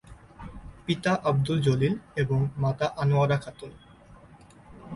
পিতা আবদুল জলিল এবং মাতা আনোয়ারা খাতুন।